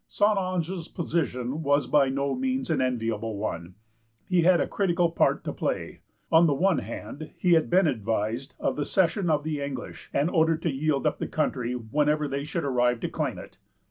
St. Ange's position was by no means an enviable one. He had a critical part to play. On the one hand, he had been advised of the cession to the English, and ordered to yield up the country whenever they should arrive to claim it.